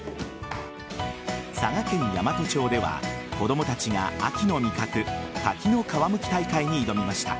佐賀県大和町では子供たちが秋の味覚柿の皮むき大会に挑みました。